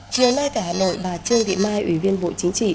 chiều nay tại hà nội bà trương thị mai ủy viên bộ chính trị